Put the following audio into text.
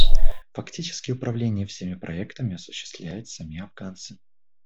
Фактически управление всеми проектами осуществляют сами афганцы.